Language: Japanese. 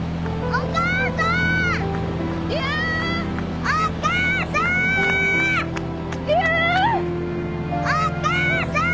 お母さーん！